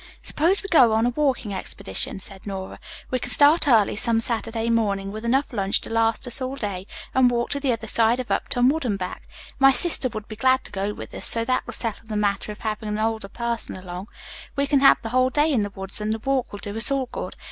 "Suppose we go on a walking expedition," said Nora. "We can start early some Saturday morning, with enough lunch to last us all day, and walk to the other side of Upton Wood and back. My sister would be glad to go with us, so that will settle the matter of having an older person along. We can have the whole day in the woods, and the walk will do us all good.